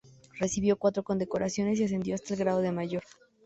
Recibió cuatro condecoraciones y ascendió hasta el grado de mayor.